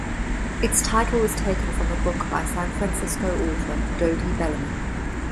Its title was taken from a book by San Francisco author Dodie Bellamy.